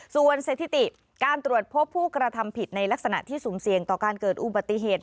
ส่วนสถิติการตรวจพบผู้กระทำผิดในลักษณะที่สุ่มเสี่ยงต่อการเกิดอุบัติเหตุ